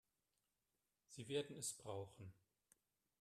Sie werden es brauchen.